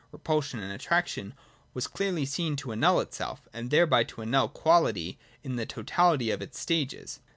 Repulsion and Attraction, was clearly seen to annul itself, and thereby to annul quality in the totahty of its stages.